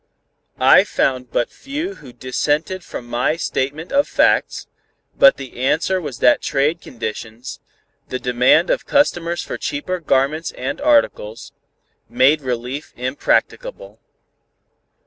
I found but few who dissented from my statement of facts, but the answer was that trade conditions, the demand of customers for cheaper garments and articles, made relief impracticable.